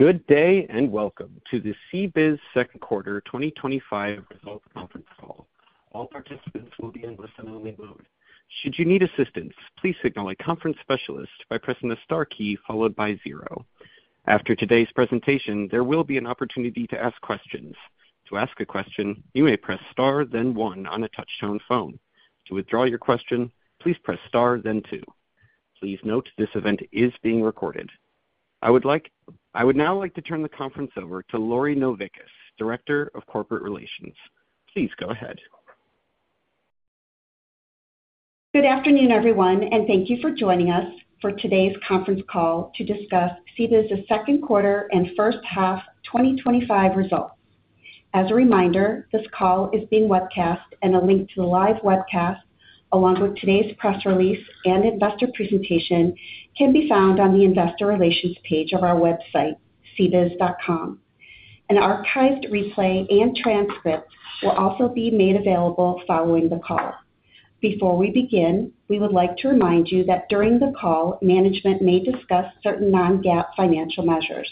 Good day and welcome to the CBIZ second quarter 2025 results conference call. All participants will be in listen-only mode. Should you need assistance, please signal a conference specialist by pressing the star key followed by zero. After today's presentation, there will be an opportunity to ask questions. To ask a question, you may press star then one on a touch-tone phone. To withdraw your question, please press star then two. Please note this event is being recorded. I would now like to turn the conference over to Lori Novickis, Director of Corporate Relations. Please go ahead. Good afternoon everyone and thank you for joining us for today's conference call to discuss CBIZ second quarter and first half 2025 results. As a reminder, this call is being webcast and a link to the live webcast along with today's press release and investor presentation can be found on the investor relations page of our website, cbiz.com. An archived replay and transcript will also be made available following the call. Before we begin, we would like to remind you that during the call management may discuss certain non-GAAP financial measures.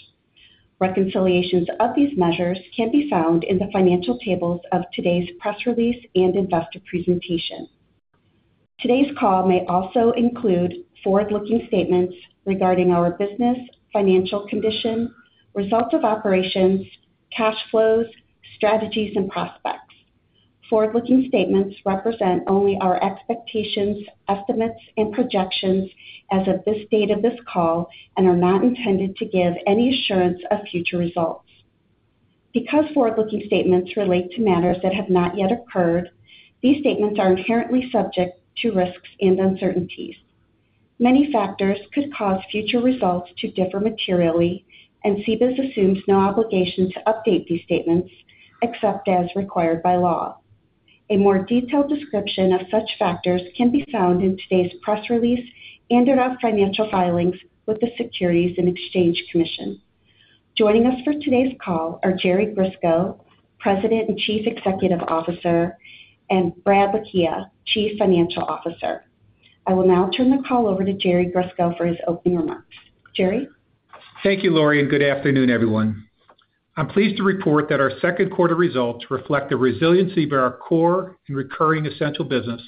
Reconciliations of these measures can be found in the financial tables of today's press release and investor presentation. Today's call may also include forward-looking statements regarding our business, financial condition, results of operations, cash flows, strategies, and prospects. Forward-looking statements represent only our expectations, estimates, and projections as of this date of this call and are not intended to give any assurance of future results because forward-looking statements relate to matters that have not yet occurred and these statements are inherently subject to risks and uncertainties. Many factors could cause future results to differ materially and CBIZ assumes no obligation to update these statements except as required by law. A more detailed description of such factors can be found in today's press release and in our financial filings with the Securities and Exchange Commission. Joining us for today's call are Jerry Grisko, President and Chief Executive Officer, and Brad Lakhia, Chief Financial Officer. I will now turn the call over to Jerry Grisko for his opening remarks, Jerry. Thank you, Lori, and good afternoon, everyone. I'm pleased to report that our second quarter results reflect the resiliency of our core and recurring essential business,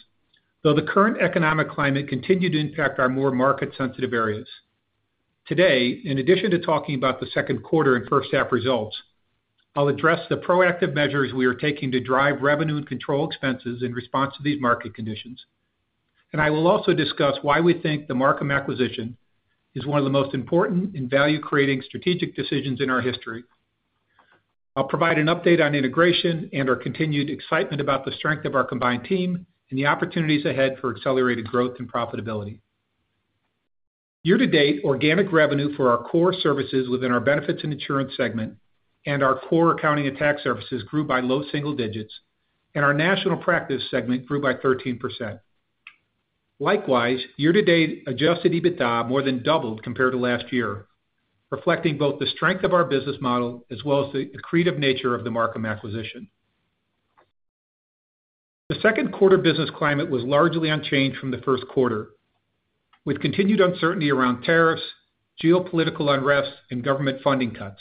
though the current economic climate continued to impact our more market sensitive areas today. In addition to talking about the second quarter and first half results, I'll address the proactive measures we are taking to drive revenue and control expenses in response to these market conditions, and I will also discuss why we think the Marcum acquisition is one of the most important and value creating strategic decisions in our history. I'll provide an update on integration and our continued excitement about the strength of our combined team and the opportunities ahead for accelerated growth and profitability. Year to date, organic revenue for our core services within our benefits and insurance segment and our core accounting and tax services grew by low single digits, and our national practice segment grew by 13%. Likewise, year to date adjusted EBITDA more than doubled compared to last year, reflecting both the strength of our business model as well as the accretive nature of the Marcum acquisition. The second quarter business climate was largely unchanged from the first quarter, with continued uncertainty around tariffs, geopolitical unrest, and government funding cuts.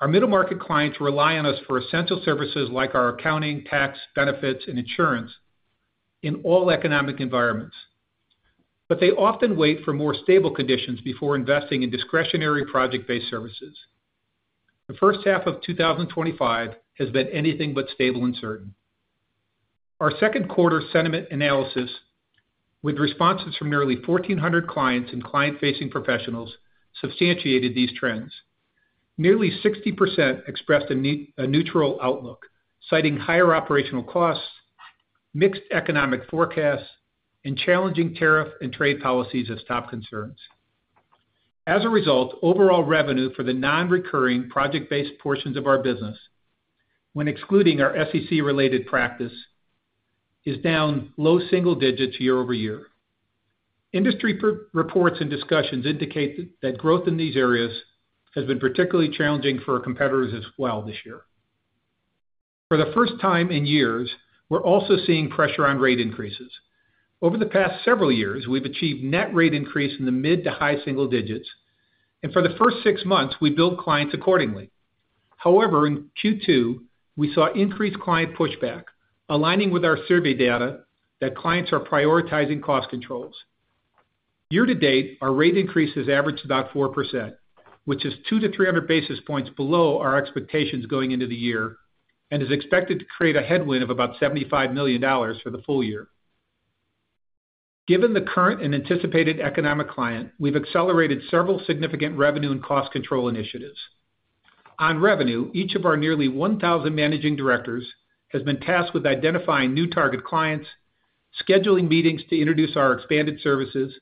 Our middle market clients rely on us for essential services like our accounting, tax, benefits, and insurance in all economic environments, but they often wait for more stable conditions before investing in discretionary project based services. The first half of 2025 has been anything but stable and certain. Our second quarter sentiment analysis, with responses from nearly 1,400 clients and client facing professionals, substantiated these trends. Nearly 60% expressed a neutral outlook, citing higher operational costs, mixed economic forecasts, and challenging tariff and trade policies as top concerns. As a result, overall revenue for the non recurring project based portions of our business, when excluding our SEC-related practice, is down low single digits year over year. Industry reports and discussions indicate that growth in these areas has been particularly challenging for our competitors as well. This year, for the first time in years, we're also seeing pressure on rate increases. Over the past several years we've achieved net rate increase in the mid to high single digits, and for the first six months we billed clients accordingly. However, in Q2 we saw increased client pushback, aligning with our survey data that clients are prioritizing cost controls. Year to date our rate increase has averaged about 4%, which is 200 to 300 basis points below our expectations going into the year and is expected to create a headwind of about $75 million for the full year. Given the current and anticipated economic climate, we've accelerated several significant revenue and cost control initiatives. On revenue, each of our nearly 1,000 Managing Directors has been tasked with identifying new target clients, scheduling meetings to introduce our expanded services,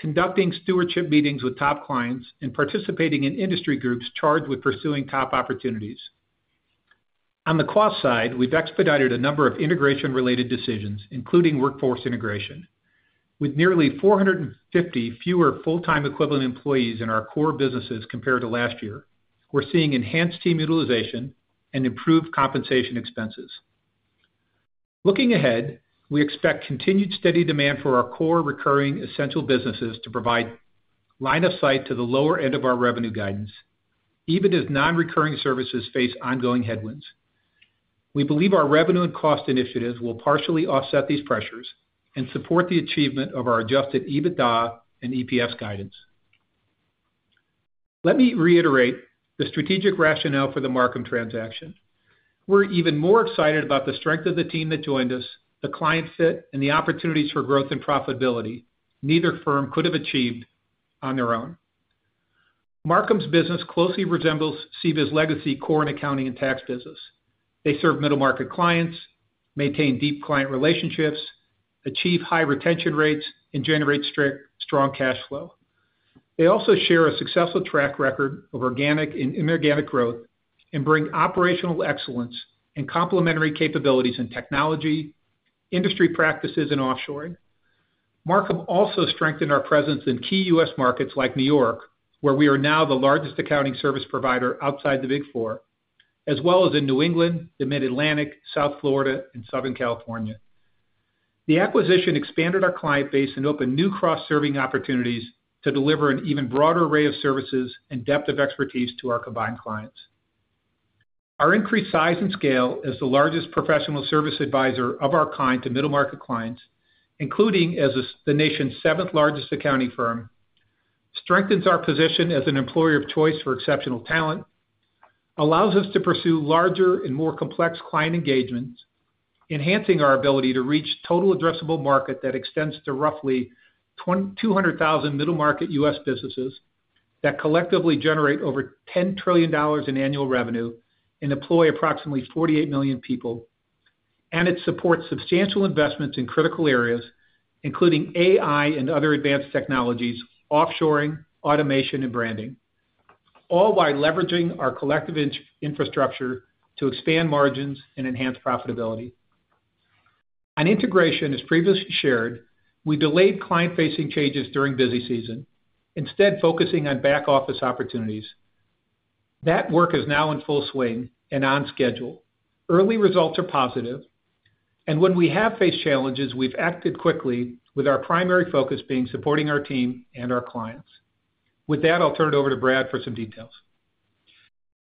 conducting stewardship meetings with top clients, and participating in industry groups charged with pursuing top opportunities. On the cost side, we've expedited a number of integration-related decisions including workforce integration. With nearly 450 fewer full-time equivalent employees in our core businesses compared to last year, we're seeing enhanced team utilization and improved compensation expenses. Looking ahead, we expect continued steady demand for our core recurring essential businesses to provide line of sight to the lower end of our revenue guidance even as non-recurring services face ongoing headwinds. We believe our revenue and cost initiatives will partially offset these pressures and support the achievement of our adjusted EBITDA and EPS guidance. Let me reiterate the strategic rationale for the Marcum transaction. We're even more excited about the strength of the team that joined us, the client fit, and the opportunities for growth and profitability neither firm could have achieved on their own. Marcum's business closely resembles CBIZ's legacy core in accounting and tax business. They serve middle market clients, maintain deep client relationships, achieve high retention rates, and generate strong cash flow. They also share a successful track record of organic and inorganic growth and bring operational excellence and complementary capabilities in technology, industry practices, and offshoring. Marcum also strengthened our presence in key U.S. markets like New York, where we are now the largest accounting service provider outside the Big Four, as well as in New England, the Mid-Atlantic, South Florida, and Southern California. The acquisition expanded our client base and opened new cross serving opportunities to deliver an even broader array of services and depth of expertise to our combined clients. Our increased size and scale as the largest professional service advisor of our kind to middle market clients, including as the nation's seventh largest accounting firm, strengthens our position as an employer of choice for exceptional talent, allows us to pursue larger and more complex client engagements, enhancing our ability to reach total addressable market. That extends to roughly 200,000 middle market U.S. businesses that collectively generate over $10 trillion in annual revenue and employ approximately 48 million people. It supports substantial investments in critical areas including AI and other advanced technologies, offshoring, automation, and branding, all while leveraging our collective infrastructure to expand margins and enhance profitability on integration. As previously shared, we delayed client facing changes during busy season, instead focusing on back office opportunities. That work is now in full swing and on schedule. Early results are positive, and when we have faced challenges, we've acted quickly with our primary focus being supporting our team and our clients. With that, I'll turn it over to Brad for some details.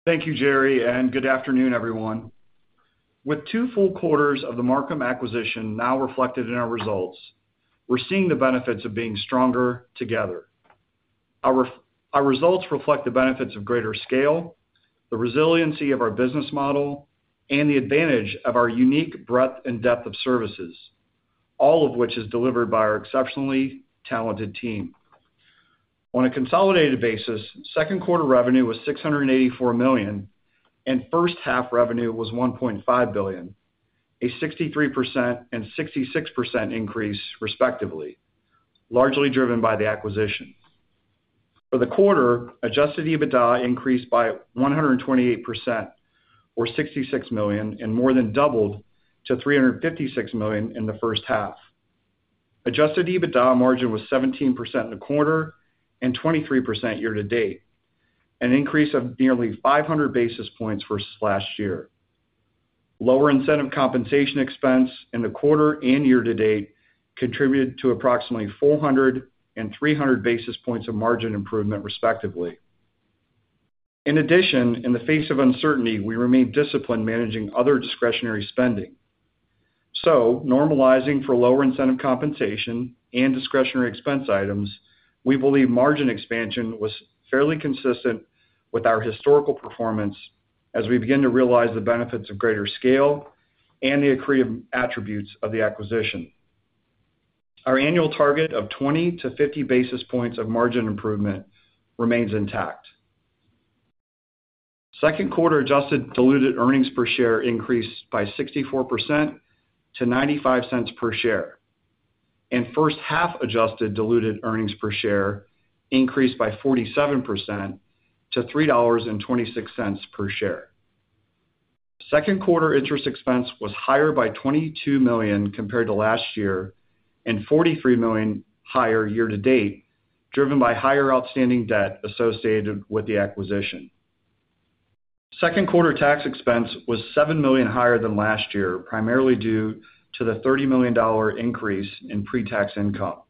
Thank you, Jerry, and good afternoon, everyone. With two full quarters of the Marcum acquisition now reflected in our results, we're seeing the benefits of being stronger together. Our results reflect the benefits of greater scale, the resiliency of our business model, and the advantage of our unique breadth and depth of services, all of which is delivered by our exceptionally talented team on a consolidated basis. Second quarter revenue was $684 million, and first half revenue was $1.5 billion, a 63% and 66% increase, respectively, largely driven by the acquisition. For the quarter, adjusted EBITDA increased by 128% or $66 million and more than doubled to $356 million in the first half. Adjusted EBITDA margin was 17% in the quarter and 23% year to date, an increase of nearly 500 basis points versus last year. Lower incentive compensation expense in the quarter and year to date contributed to approximately 400 and 300 basis points of margin improvement, respectively. In addition, in the face of uncertainty, we remain disciplined managing other discretionary spending. Normalizing for lower incentive compensation and discretionary expense items, we believe margin expansion was fairly consistent with our historical performance. As we begin to realize the benefits of greater scale and the accretive attributes of the acquisition, our annual target of 20 to 50 basis points of margin improvement remains intact. Second quarter adjusted diluted earnings per share increased by 64% to $0.95 per share, and first half adjusted diluted earnings per share increased by 47% to $3.26 per share. Second quarter interest expense was higher by $22 million compared to last year and $43 million higher year to date, driven by higher outstanding debt associated with the acquisition. Second quarter tax expense was $7 million higher than last year, primarily due to the $30 million increase in pre-tax income.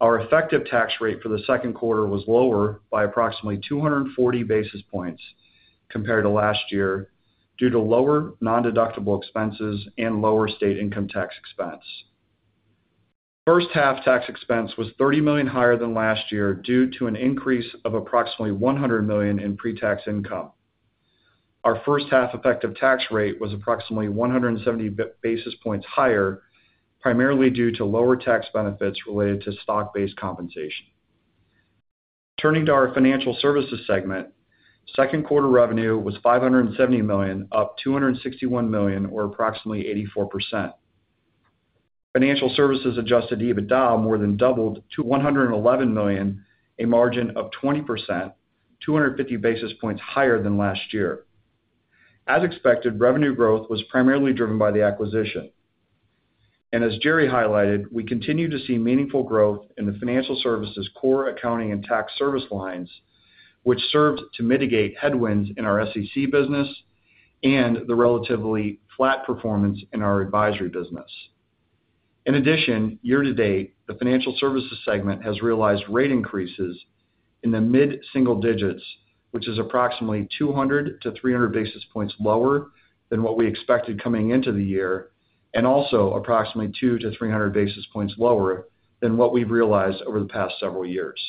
Our effective tax rate for the second quarter was lower by approximately 240 basis points compared to last year due to lower non-deductible expenses and lower state income tax expense. First half tax expense was $30 million higher than last year due to an increase of approximately $100 million in pre-tax income. Our first half effective tax rate was approximately 170 basis points higher, primarily due to lower tax benefits related to stock-based compensation. Turning to our financial services segment, second quarter revenue was $570 million, up $261 million or approximately 84%. Financial services adjusted EBITDA more than doubled to $111 million, a margin of 20%, 250 basis points higher than last year. As expected, revenue growth was primarily driven by the acquisition and as Jerry highlighted, we continue to see meaningful growth in the financial services, core accounting and tax service lines which served to mitigate headwinds in our SEC-related practices and the relatively flat performance in our advisory business. In addition, year to date, the financial services segment has realized rate increases in the mid single digits which is approximately 200 to 300 basis points lower than what we expected coming into the year and also approximately 200 to 300 basis points lower than what we've realized over the past several years.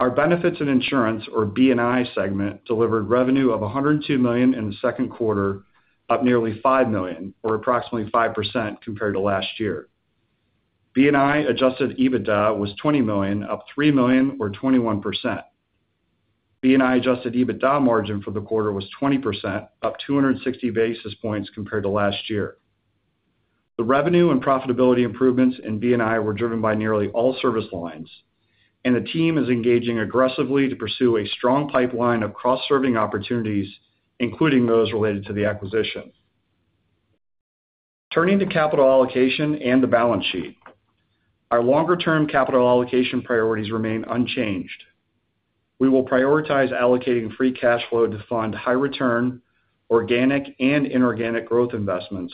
Our Benefits and Insurance or B&I segment delivered revenue of $102 million in the second quarter, up nearly $5 million or approximately 5% compared to last year. B&I adjusted EBITDA was $20 million, up $3 million or 21%. B&I adjusted EBITDA margin for the quarter was 20%, up 260 basis points compared to last year. The revenue and profitability improvements in B&I were driven by nearly all service lines and the team is engaging aggressively to pursue a strong pipeline of cross serving opportunities including those related to the acquisition. Turning to capital allocation and the balance sheet, our longer term capital allocation priorities remain unchanged. We will prioritize allocating free cash flow to fund high return organic and inorganic growth investments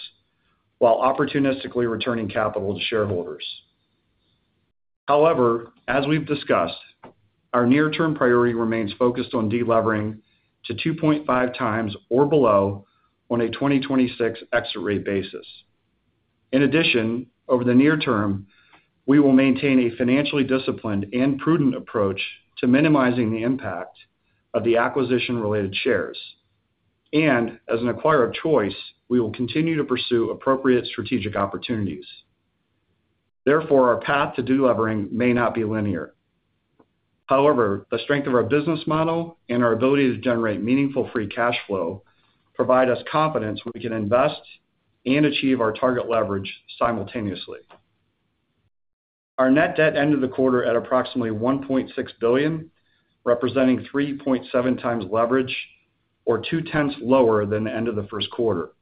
while opportunistically returning capital to shareholders. However, as we've discussed, our near term priority remains focused on deleveraging to 2.5 times or below on a 2026 exit rate basis. In addition, over the near term we will maintain a financially disciplined and prudent approach to minimizing the impact of the acquisition related shares and as an acquirer of choice, we will continue to pursue appropriate strategic opportunities. Therefore, our path to deleveraging may not be linear. However, the strength of our business model and our ability to generate meaningful free cash flow provide us confidence when we can invest and achieve our target leverage simultaneously. Our net debt ended the quarter at approximately $1.6 billion, representing 3.7 times leverage or two times lower than the end of the first quarter.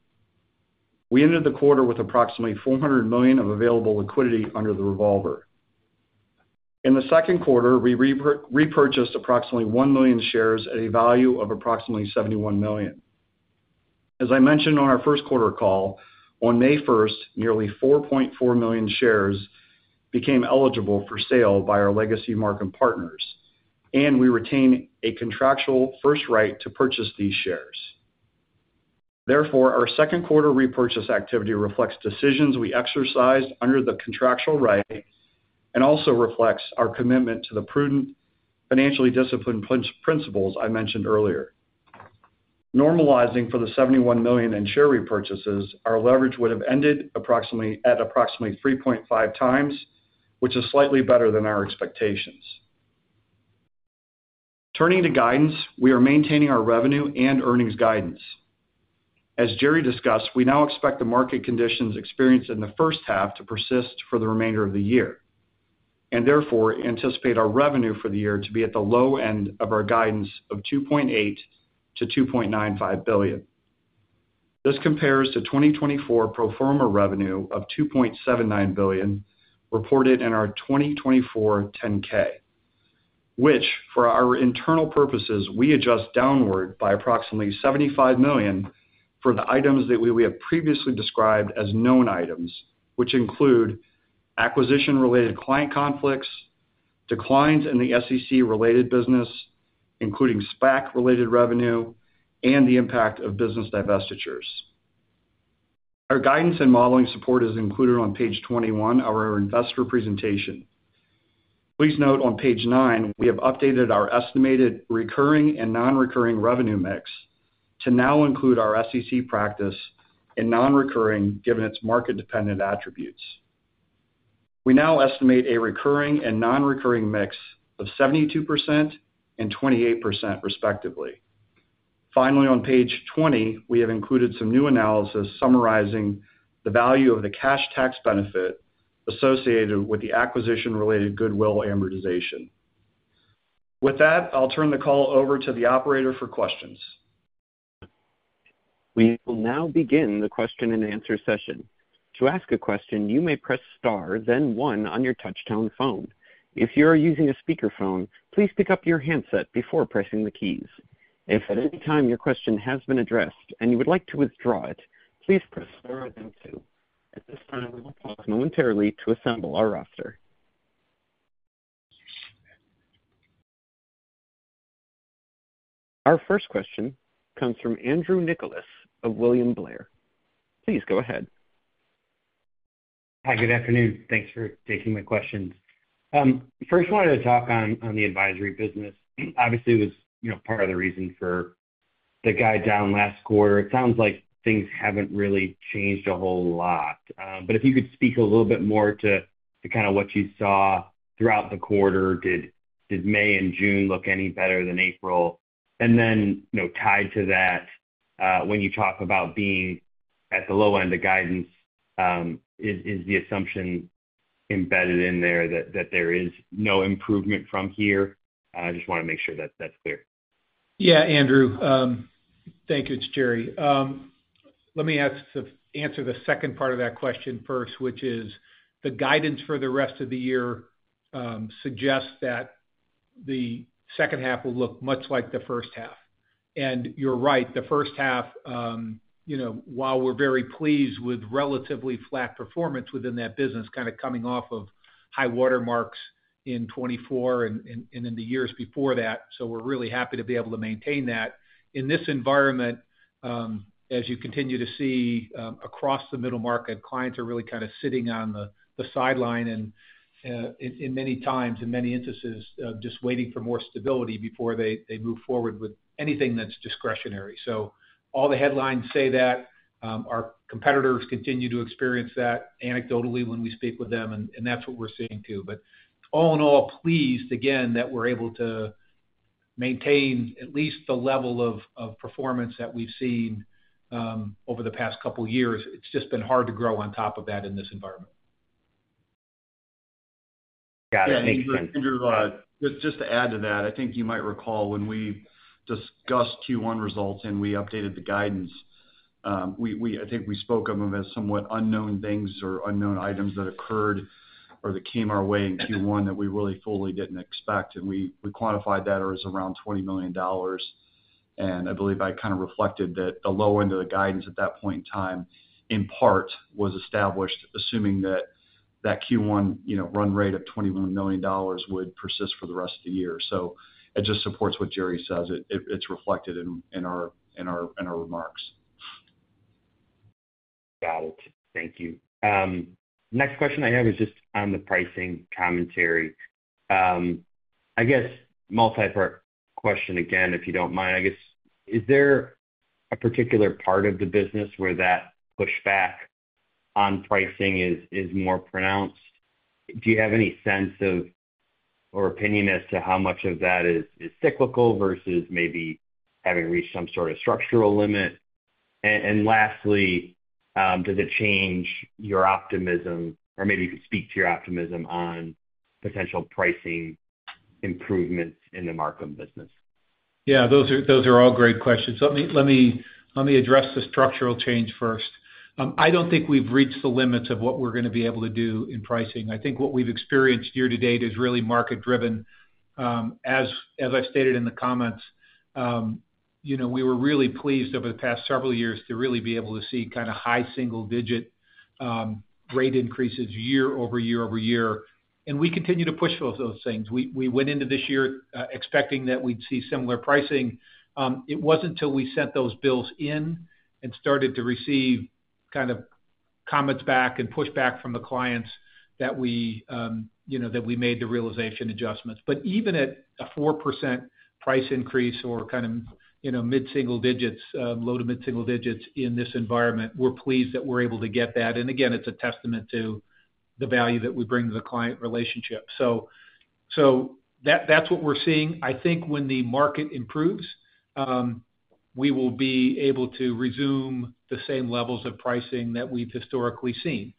We ended the quarter with approximately $400 million of available liquidity under the revolver. In the second quarter we repurchased approximately 1 million shares at a value of approximately $71 million. As I mentioned on our first quarter call, on May 1, nearly 4.4 million shares became eligible for sale by our legacy Marcum Partners and we retain a contractual first right to purchase these shares. Therefore, our second quarter repurchase activity reflects decisions we exercised under the contractual right and also reflects our commitment to the prudent, financially disciplined principles I mentioned earlier. Normalizing for the $71 million in share repurchases, our leverage would have ended at approximately 3.5 times, which is slightly better than our expectations. Turning to guidance, we are maintaining our revenue and earnings guidance. As Jerry discussed, we now expect the market conditions experienced in the first half to persist for the remainder of the year and therefore anticipate our revenue for the year to be at the low end of our guidance of $2.8 to $2.95 billion. This compares to 2024 pro forma revenue of $2.79 billion reported in our 2024 10-K, which for our internal purposes we adjust downward by approximately $75 million for the items that we have previously described as known items, which include acquisition-related client conflicts, declines in the SEC-related business including SPAC-related revenue, and the impact of business divestitures. Our guidance and modeling support is included on page 21 of our investor presentation. Please note on page nine we have updated our estimated recurring and non-recurring revenue mix to now include our SEC practice and non-recurring. Given its market dependent attributes, we now estimate a recurring and non-recurring mix of 72% and 28% respectively. Finally, on page 20 we have included some new analysis summarizing the value of the cash tax benefit associated with the acquisition-related goodwill amortization. With that, I'll turn the call over to the operator for questions. We will now begin the question and answer session. To ask a question, you may press star then one on your touch tone phone. If you are using a speakerphone, please pick up your handset before pressing the keys. If at any time your question has been addressed and you would like to withdraw it, please press at this time. We will pause momentarily to assemble our roster. Our first question comes from Andrew Nicholas of William Blair. Please go ahead. Hi, good afternoon. Thanks for taking my questions. First, I wanted to talk on the advisory business. Obviously, it was part of the reason for the guide down last quarter. It sounds like things haven't really changed a whole lot. If you could speak a little bit more to kind of what you saw throughout the quarter. Did May and June look any better than April? Then tied to that, when you talk about being at the low end of guidance, is the assumption embedded in there that there is no improvement from here? I just want to make sure that's clear. Yeah, Andrew, thank you. It's Jerry. Let me answer the second part of that question first, which is the guidance for the rest of the year suggests that the second half will look much like the first half. You're right, the first half, while we're very pleased with relatively flat performance within that business, kind of coming off of high water marks in 2024 and in the years before that. We're really happy to be able to maintain that in this environment. As you continue to see across the middle market, clients are really kind of sitting on the sideline in many times, in many instances, just waiting for more stability before they move forward with anything that's discretionary. All the headlines say that our competitors continue to experience that anecdotally when we speak with them and that's what we're seeing too. All in all, pleased again that we're able to maintain at least the level of performance that we've seen over the past couple years. It's just been hard to grow on top of that in this environment. Got it. Thanks, Jerry. Andrew, just to add to that, I think you might recall when we discussed Q1 results and we updated the guidance, I think we spoke of them as somewhat unknown things or unknown items that occurred or that came our way in Q1 that we really fully didn't expect. We quantified that as around $20 million. I believe I kind of reflected that the low end of the guidance at that point in time in part was established assuming that that Q1 run rate of $21 million would persist for the rest of the year. It just supports what Jerry says. It's reflected in our remarks. Got it. Thank you. Next question I have is just on the pricing commentary. I guess multipart question again, if you don't mind. Is there a particular part of the business where that pushback on pricing is more pronounced? Do you have any sense of or opinion as to how much of that is cyclical versus maybe having reached some sort of structural limit? Lastly, does it change your optimism or maybe you could speak to your optimism on potential pricing improvements in the Marcum business? Yeah, those are all great questions. Let me address the structural change first. I don't think we've reached the limits of what we're going to be able to do in pricing. I think what we've experienced year to date is really market driven. As I stated in the comments, we were really pleased over the past several years to really be able to see kind of high single digit rate increases year over year over year. We continue to push those things. We went into this year expecting that we'd see similar pricing. It wasn't until we sent those bills in and started to receive kind of comments back and push back from the clients that we made the realization adjustments. Even at a 4% price increase or kind of mid single digits, low to mid single digits, in this environment, we're pleased that we're able to get that. It is a testament to the value that we bring to the client relationship. That's what we're seeing. I think when the market improves, we will be able to resume the same levels of pricing that we've historically seen.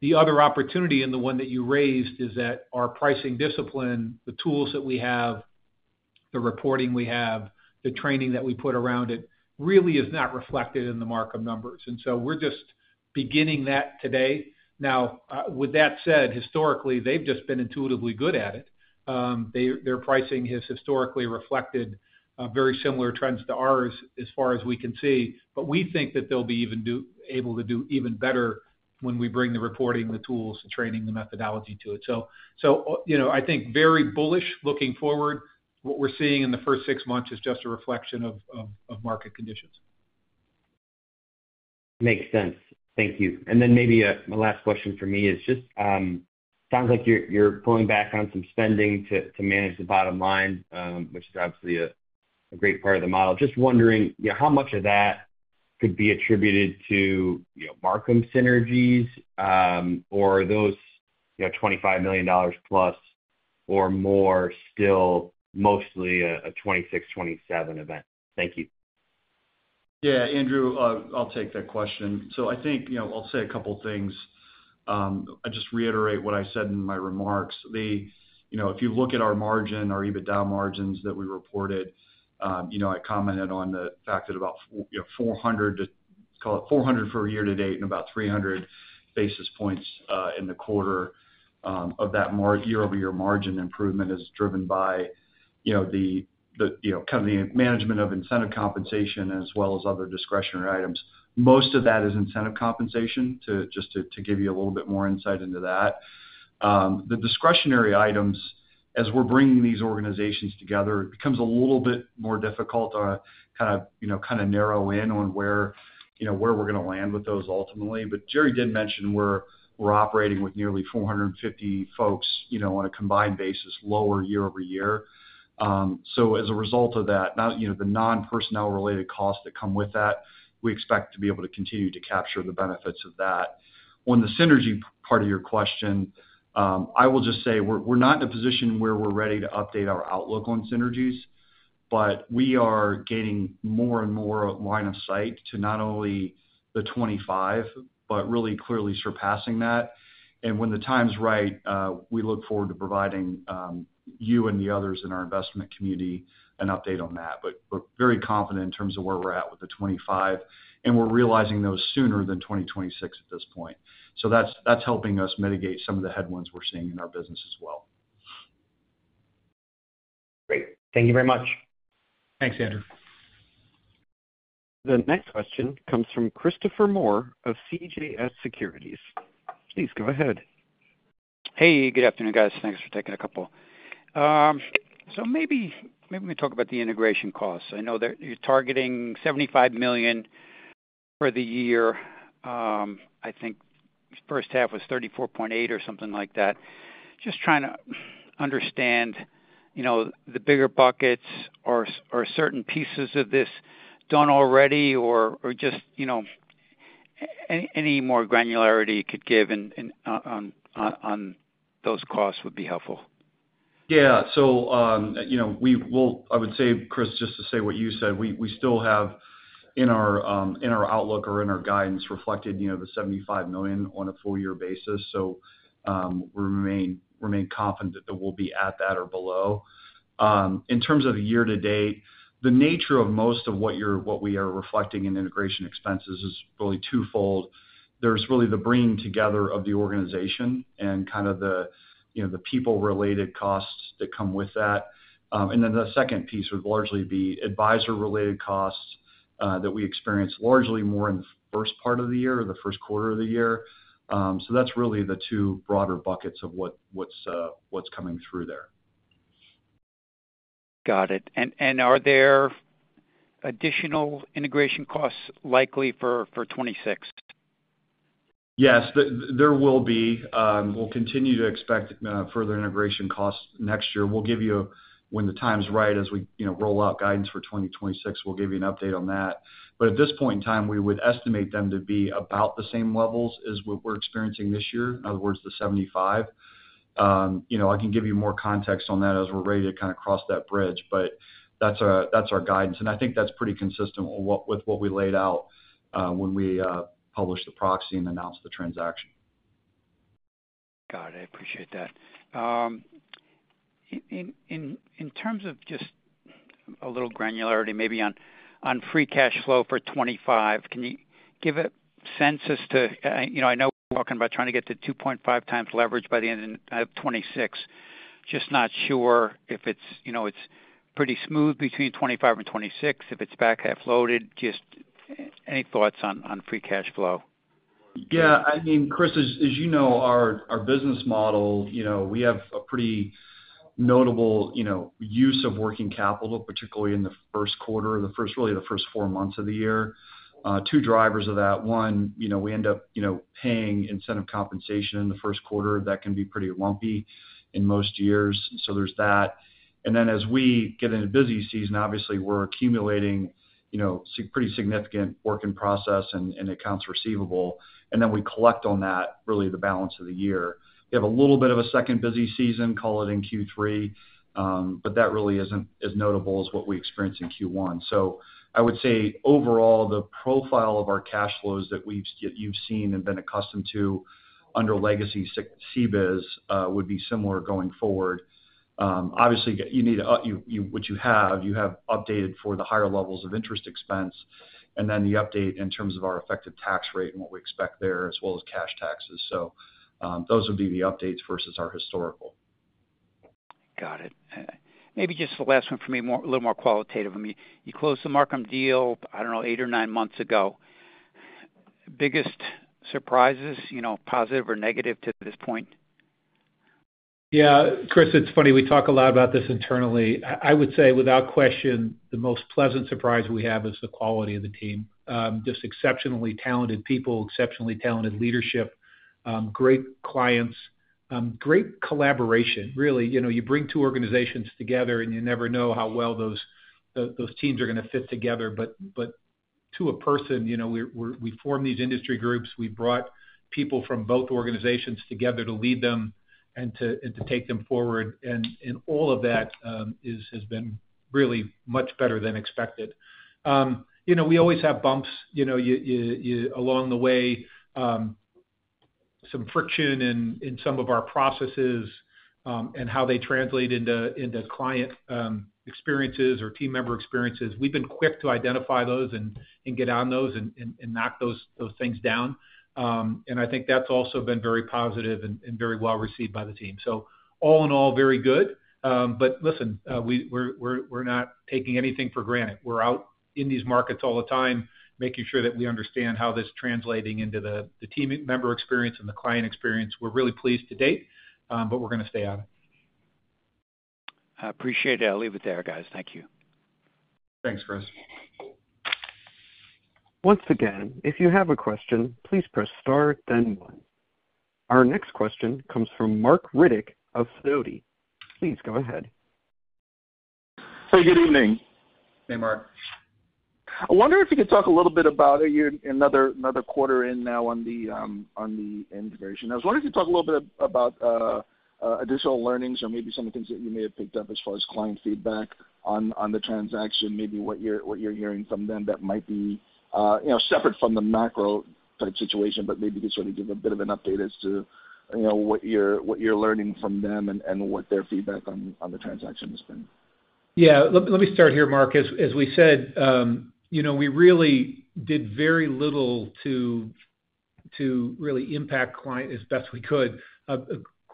The other opportunity, and the one that you raised, is that our pricing discipline, the tools that we have, the reporting we have, the training that we put around it really is not reflected in the Marcum numbers. We're just beginning that today. Now with that said, historically they've just been intuitively good at it. Their pricing has historically reflected very similar trends to ours as far as we can see. We think that they'll be able to do even better when we bring the reporting, the tools, the training, the methodology to it. I think very bullish. Looking forward, what we're seeing in the first six months is just a reflection of market conditions. Makes sense. Thank you. My last question for me is it just sounds like you're pulling back on some spending to manage the bottom line, which is obviously a great part of the model. Just wondering how much of that could be attributed to Marcum synergies or those $25 million plus or more. Still mostly a 2026, 2027 event. Thank you. Yeah, Andrew, I'll take that question. I think I'll say a couple things. I just reiterate what I said in my remarks. If you look at our margin, our EBITDA margins that we reported, I commented on the fact that about 400, to call it 400 for a year to date and about 300 basis points in the quarter of that year over year margin improvement is driven by the management of incentive compensation as well as other discretionary items. Most of that is incentive compensation. Just to give you a little bit more insight into that, the discretionary items, as we're bringing these organizations together, it becomes a little bit more difficult to kind of narrow in on where we're going to land with those ultimately. Jerry did mention we're operating with nearly 450 folks on a combined basis lower year over year. As a result of that, the non personnel related costs that come with that, we expect to be able to continue to capture the benefits of that. On the synergy part of your question, I will just say we're not in a position where we're ready to update our outlook on synergies, but we are gaining more and more line of sight to not only the 25, but really clearly surpassing that. When the time's right, we look forward to providing you and the others in our investment community an update on that. We're very confident in terms of where we're at with the 25 and we're realizing those sooner than 2026 at this point. That's helping us mitigate some of the headwinds we're seeing in our business as well. Great, thank you very much. Thanks, Andrew. The next question comes from Christopher Moore of CJS Securities. Please go ahead. Hey good afternoon, guys. Thanks for taking a couple. Maybe we talk about the integration costs. I know that you're targeting $75 million for the year. I think first half was $34.8 million or something like that. Just trying to understand, you know, the bigger buckets or certain pieces of this. Done already or just, you know, any more granularity you could give on those costs would be helpful. Yeah. We will, I would say, Chris, just to say what you said, we still have in our outlook or in our guidance reflected the $75 million on a full year basis. We remain confident that we'll be at that or below in terms of the year to date. The nature of most of what we are reflecting in integration expenses is really twofold. There's really the bringing together of the organization and kind of the people related costs that come with that. The second piece would largely be advisor related costs that we experience largely more in the first part of the year or the first quarter of the year. That's really the two broader buckets of what's coming through there. Got it. Are there additional integration costs likely for 2026? Yes, there will be. We'll continue to expect further integration costs next year. We'll give you, when the time's right as we roll out guidance for 2026, an update on that. At this point in time, we would estimate them to be about the same levels as what we're experiencing this year. In other words, the $75 million. I can give you more context on that as we're ready to kind of cross that bridge. That's our guidance, and I think that's pretty consistent with what we laid out when we published the proxy and announced the transaction. Got it. I appreciate that. In terms of just a little granularity maybe on free cash flow for 2025, can you give a sense as to, you know, I know talking about trying to get to 2.5 times leverage by the end of 2026. Just not sure if it's, you know, it's pretty smooth between 2025 and 2026, if it's back half loaded. Just any thoughts on free cash flow? Yeah, I mean, Chris, as you know our business model, we have a pretty notable use of working capital, particularly in the first quarter, really the first four months of the year. Two drivers of that. One, we end up paying incentive compensation in the first quarter. That can be pretty lumpy in most years. There is that. As we get into busy season, obviously we're accumulating pretty significant work in process and accounts receivable. We collect on that, really the balance of the year. We have a little bit of a second busy season, call it in Q3, but that really isn't as notable as what we experienced in Q1. I would say overall, the profile of our cash flows that you've seen and been accustomed to under legacy CBIZ would be similar going forward. Obviously, you have updated for the higher levels of interest expense and then the update in terms of our effective tax rate and what we expect there, as well as cash taxes. Those would be the updates versus our historical. Got it. Maybe just the last one for me, a little more qualitative. I mean, you closed the Marcum deal, I don't know, eight or nine months ago. Biggest surprises, you know, positive or negative to this point. Yeah, Chris, it's funny. We talk a lot about this internally. I would say without question, the most pleasant surprise we have is the quality of the team. Just exceptionally talented people, exceptionally talented leadership, great clients, great collaboration, really. You know, you bring two organizations together and you never know how well those teams are going to fit together. To a person, you know, we form these industry groups, we brought people from both organizations together to lead them and to take them forward, and all of that has been really much better than expected. We always have bumps along the way, some friction in some of our processes and how they translate into client experiences or team member experiences. We've been quick to identify those and get on those and knock those things down. I think that's also been very positive and very well received by the team. All in all, very good. Listen, we're not taking anything for granted. We're out in these markets all the time making sure that we understand how this is translating into the team member experience and the client experience. We're really pleased to date, but we're going to stay on it. Appreciate it. I'll leave it there, guys. Thank you. Thanks, Chris. Once again, if you have a question, please press star then one. Our next question comes from Marc Riddick of Sidoti. Please go ahead. Hey, good evening. Hey, Marc. I wonder if you could. Talk a little bit about another quarter in now on the INT version. I was wondering if you could talk a little bit about additional learnings or maybe some of the things that you may have picked up as far as client feedback on the transaction. Maybe what you're hearing from them that might be separate from the macro type situation, but maybe just give a bit of an update as to what you're learning from them and what their feedback is on the transaction has been. Yeah, let me start here, Mark. As we said, we really did very little to really impact client, as best we could,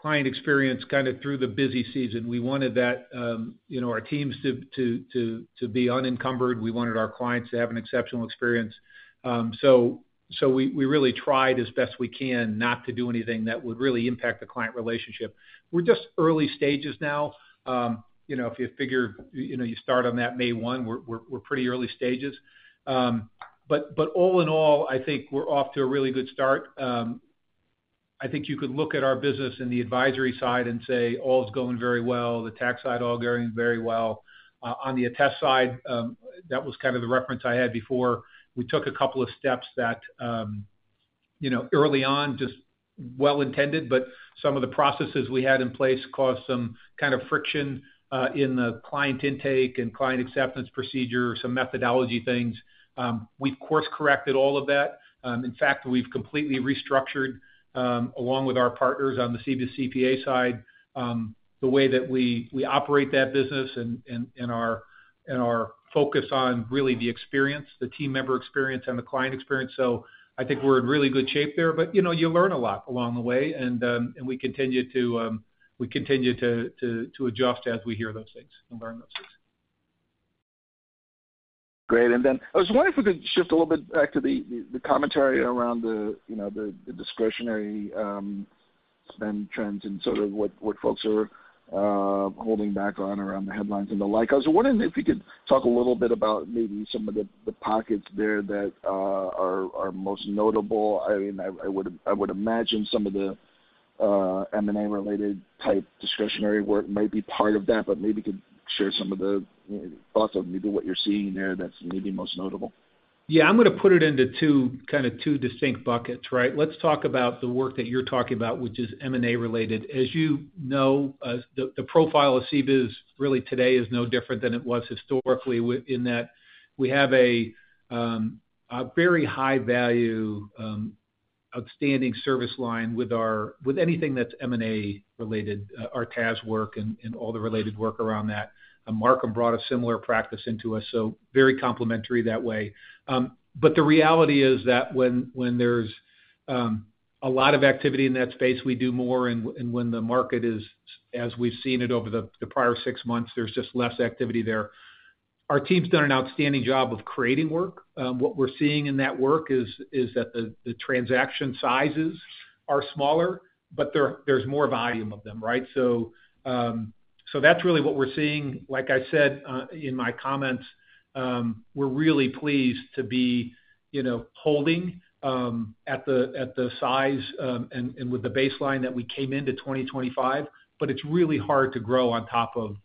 client experience kind of through the busy season. We wanted our teams to be unencumbered. We wanted our clients to have an exceptional experience. We really tried as best we can not to do anything that would really impact the client relationship. We're just early stages now. If you figure you start on that May 1, we're pretty early stages. All in all, I think we're off to a really good start. I think you could look at our business in the advisory side and say all is going very well. The tax side, all going very well. On the attest side, that was kind of the reference I had before. We took a couple of steps that early on, just well intended, but some of the processes we had in place caused some kind of friction in the client intake and client acceptance procedures and methodology things. We've course corrected all of that. In fact, we've completely restructured, along with our partners on the CBCPA side, the way that we operate that business and our focus on really the experience, the team member experience, and the client experience. I think we're in really good shape there. You learn a lot along the way and we continue to adjust as we hear those things and learn those things. Great. I was wondering if we could shift a little bit back to the commentary around the discretionary spend trends and sort of what folks are holding back on around the headlines and the like. I was wondering if you could talk a little bit about maybe some of. The pockets there that are most notable. I mean, I would imagine some of the M&A related type discretionary work might be part of that. Maybe you could share some of the thoughts of maybe what you're seeing there that's maybe most notable. Yeah, I'm going to put it into two kind of two distinct buckets. Right. Let's talk about the work that you're talking about, which is M&A related. As you know, the profile of CBIZ really today is no different than it was historically in that we have a very high value outstanding service line with anything that's M&A related. Our TAS work and all the related work around that. Marcum brought a similar practice into us. Very complementary that way. The reality is that when there's a lot of activity in that space, we do more, and when the market is as we've seen it over the prior six months, there's just less activity there. Our team's done an outstanding job of creating work. What we're seeing in that work is that the transaction sizes are smaller, but there's more volume of them. That's really what we're seeing. Like I said in my comments, we're really pleased to be holding at the size and with the baseline that we came into 2025. It's really hard to grow on top of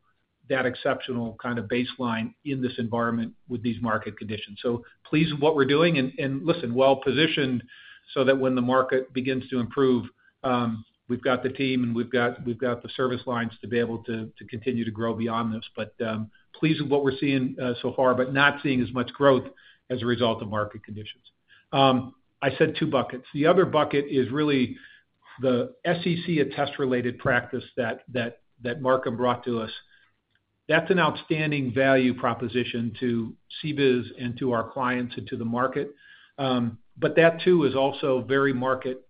that exceptional kind of baseline in this environment with these market conditions. Pleased with what we're doing and listen, well positioned so that when the market begins to improve, we've got the team and we've got the service lines to be able to continue to grow beyond this. Pleased with what we're seeing so far, not seeing as much growth as a result of market conditions. I said two buckets. The other bucket is really the SEC-related attest practice that Marcum brought to us. That's an outstanding value proposition to CBIZ and to our clients and to the market. That too is also very market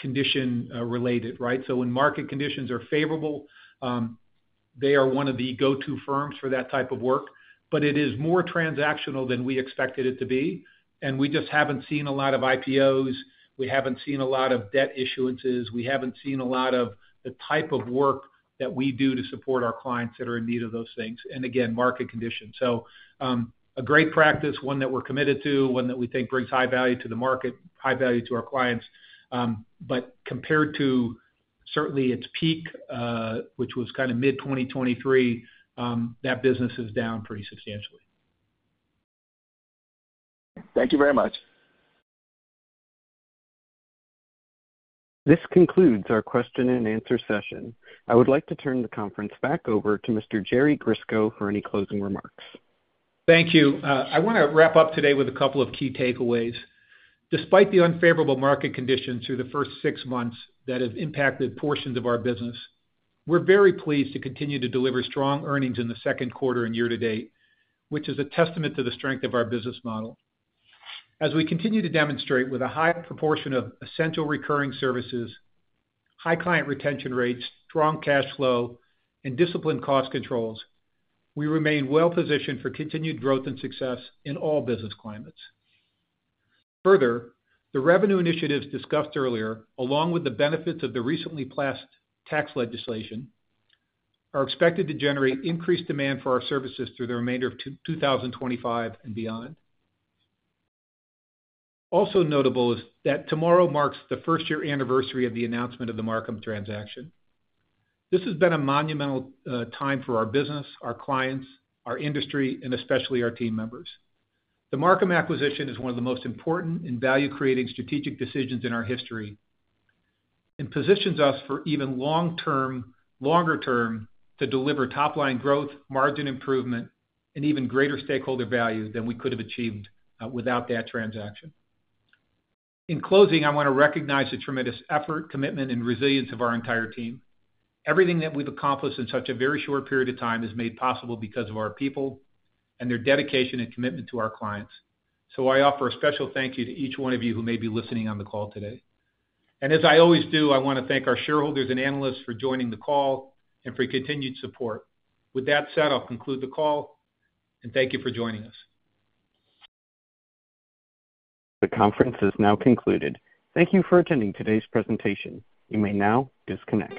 condition related. When market conditions are favorable, they are one of the go-to firms for that type of work. It is more transactional than we expected it to be. We just haven't seen a lot of IPOs. We haven't seen a lot of debt issuances. We haven't seen a lot of the type of work that we do to support our clients that are in need of those things. Again, market conditions. A great practice, one that we're committed to, one that we think brings high value to the market, high value to our clients, but compared to certainly its peak, which was kind of mid 2023, that business is down pretty substantially. Thank you very much. This concludes our question and answer session. I would like to turn the conference back over to Mr. Jerry Grisko for any closing remarks. Thank you. I want to wrap up today with a couple of key takeaways. Despite the unfavorable market conditions through the first six months that have impacted portions of our business, we're very pleased to continue to deliver strong earnings in the second quarter and year to date, which is a testament to the strength of our business model. As we continue to demonstrate, with a high proportion of essential recurring services, high client retention rates, strong cash flow, and disciplined cost controls, we remain well positioned for continued growth and success in all business climates. Further, the revenue initiatives discussed earlier, along with the benefits of the recently passed tax legislation, are expected to generate increased demand for our services through the remainder of 2025 and beyond. Also notable is that tomorrow marks the first year anniversary of the announcement of the Marcum LLP transaction. This has been a monumental time for our business, our clients, our industry, and especially our team members. The Marcum LLP acquisition is one of the most important and value creating strategic decisions in our history and positions us for even longer term to deliver top line growth, margin improvement, and even greater stakeholder value than we could have achieved without that transaction. In closing, I want to recognize the tremendous effort, commitment, and resilience of our entire team. Everything that we've accomplished in such a very short period of time is made possible because of our people and their dedication and commitment to our clients. I offer a special thank you to each one of you who may be listening on the call today. As I always do, I want to thank our shareholders and analysts for joining the call and for continued support. With that said, I'll conclude the call and thank you for joining us. The conference has now concluded. Thank you for attending today's presentation. You may now disconnect.